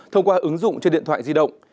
thông qua ứng dụng trên điện thoại di động